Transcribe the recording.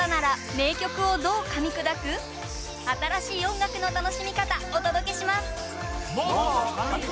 新しい音楽の楽しみ方お届けします。